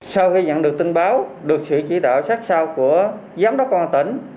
sau khi nhận được tin báo được sự chỉ đạo sát sao của giám đốc công an tỉnh